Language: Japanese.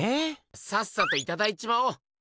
さっさといただいちまおう。